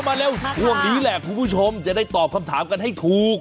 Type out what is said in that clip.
มาเร็วช่วงนี้แหละคุณผู้ชมจะได้ตอบคำถามกันให้ถูก